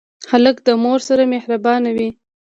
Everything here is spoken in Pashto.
هلک له مور سره مهربان وي.